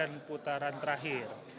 dan putaran terakhir